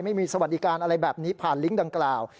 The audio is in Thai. สวัสดิการอะไรแบบนี้ผ่านลิงก์ดังกล่าว